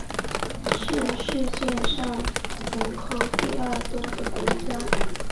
是世界上人口第二多的国家。